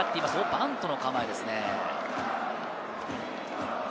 バントの構えですね。